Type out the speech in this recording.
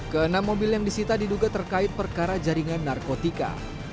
keenam mobil yang disita diduga terkait perkara jaringan narkotika